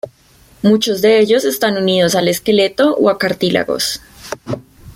Muchos de ellos están unidos al esqueleto o a cartílagos.